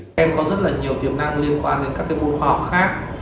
các em có rất là nhiều tiềm năng liên quan đến các cái môn khoa học khác